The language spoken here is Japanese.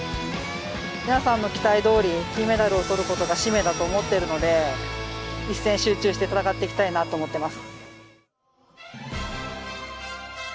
皆さんの期待どおり金メダルをとることが使命だと思っているので一戦集中して戦っていきたいなと思っています。